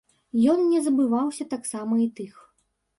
Ён не забываўся таксама і тых.